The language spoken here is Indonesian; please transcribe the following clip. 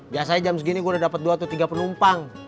biasanya jam segini gue udah dapet dua atau tiga penumpang